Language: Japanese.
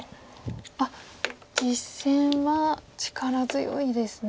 あっ実戦は力強いですね。